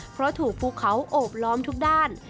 เพราะถูกภูเขาโอบล้อมทุกด้าน